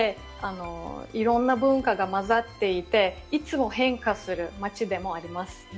いろんな文化がまざっていて、いつも変化する街でもあります。